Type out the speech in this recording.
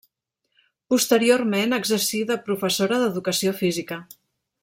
Posteriorment exercí de professora d'educació física.